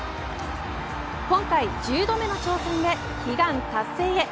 今回１０度目の挑戦で悲願達成へ。